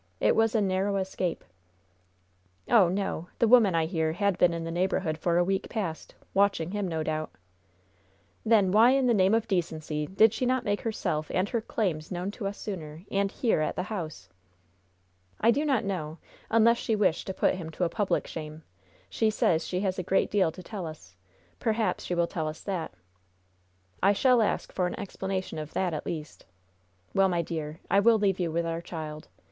It was a narrow escape!" "Oh, no! The woman, I hear, had been in the neighborhood for a week past, watching him, no doubt." "Then, why in the name of decency did she not make herself and her claims known to us sooner, and here, at the house?" "I do not know, unless she wished to put him to a public shame. She says she has a great deal to tell us; perhaps she will tell us that." "I shall ask for an explanation of that, at least. Well, my dear, I will leave you with our child.